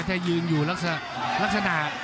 ถ้ายืนอยู่ลักษณะ